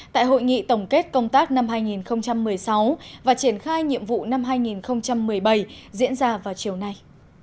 tại hội nghị tổng kết công tác năm hai nghìn một mươi sáu và triển khai nhiệm vụ năm hai nghìn một mươi bảy diễn ra vào chiều nay